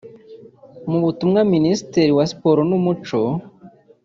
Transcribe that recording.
mu butumwa Minisitiri wa Siporo n’Umuco